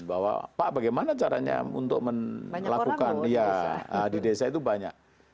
bahwa pak bagaimana caranya untuk melakukan di desa itu banyak